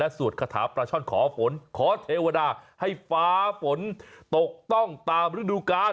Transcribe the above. สวดคาถาปลาช่อนขอฝนขอเทวดาให้ฟ้าฝนตกต้องตามฤดูกาล